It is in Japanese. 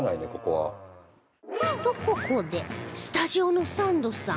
とここでスタジオのサンドさん